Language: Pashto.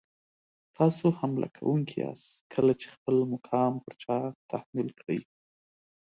تاسو حمله کوونکي یاست کله چې خپل مقام پر چا تحمیل کړئ.